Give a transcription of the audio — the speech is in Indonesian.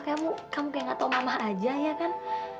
kamu kayak enggak tahu mama aja ya kan